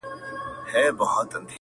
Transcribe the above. o پور چي تر سلو واوړي، وچه مه خوره!